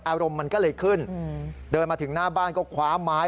อารมณ์มันก็เลยขึ้นเดินมาถึงหน้าบ้านก็คว้าไม้